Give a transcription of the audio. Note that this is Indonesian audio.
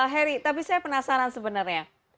heri tapi saya penasaran sebenarnya